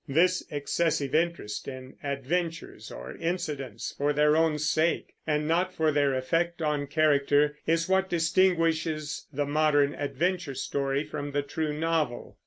This excessive interest in adventures or incidents for their own sake, and not for their effect on character, is what distinguishes the modern adventure story from the true novel.